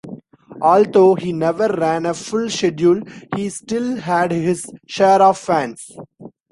Although he never ran a full schedule, he still had his share of fans.